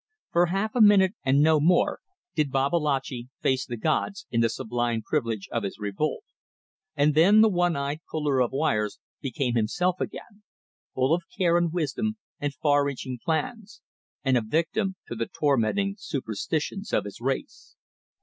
For half a minute and no more did Babalatchi face the gods in the sublime privilege of his revolt, and then the one eyed puller of wires became himself again, full of care and wisdom and far reaching plans, and a victim to the tormenting superstitions of his race.